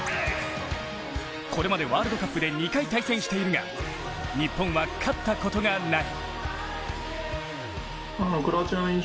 これまでワールドカップで２回対戦しているが日本は勝ったことがない。